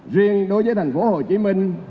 riêng đối với thành phố hồ chí minh